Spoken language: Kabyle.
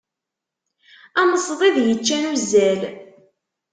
Am ṣdid yeččan uzzal.